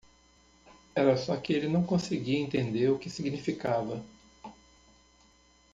Era só que ele não conseguia entender o que significava.